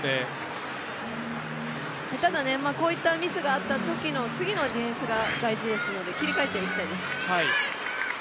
ただこういったミスがあったときの次のディフェンスが大事ですので切り替えていきたいです。